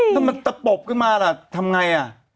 ถ้ามันตะปบขึ้นมาล่ะทำไง